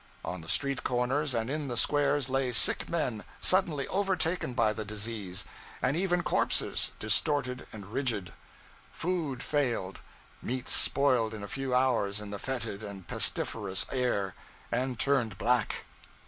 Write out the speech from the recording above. On the street corners, and in the squares, lay sick men, suddenly overtaken by the disease; and even corpses, distorted and rigid. Food failed. Meat spoiled in a few hours in the fetid and pestiferous air, and turned black.